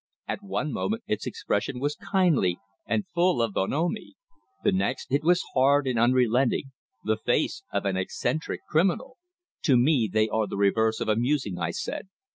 At one moment its expression was kindly and full of bonhomie, the next it was hard and unrelenting the face of an eccentric criminal. "To me they are the reverse of amusing," I said.